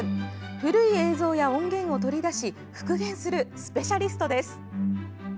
古い映像や音源を取り出し復元するスペシャリストです。